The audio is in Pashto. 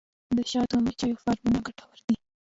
د شاتو مچیو فارمونه ګټور دي